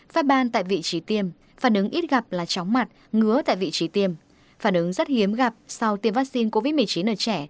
phát ban tại vị trí tiêm phản ứng ít gặp là chóng mặt ngứa tại vị trí tiêm phản ứng rất hiếm gặp sau tiêm vaccine covid một mươi chín ở trẻ